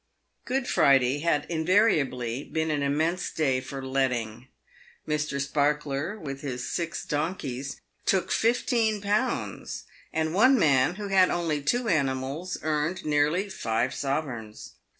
Good Friday had invariably been an immense day for letting. Mr. Sparkler, with his six donkeys, took fifteen pounds, and one man, who had only two animals, earned nearly five sovereigns.